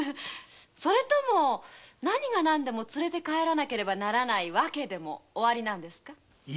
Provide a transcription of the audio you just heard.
それとも何が何でも連れて帰らなけりゃならない訳でもおありなんですか？